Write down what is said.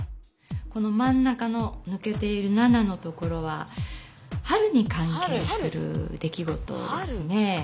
このまん中のぬけている「七」のところは春にかんけいする出来ごとですねぇ。